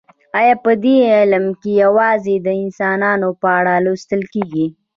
ایا په دې علم کې یوازې د انسانانو په اړه لوستل کیږي